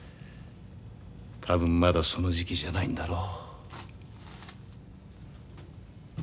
多分まだその時期じゃないんだろう。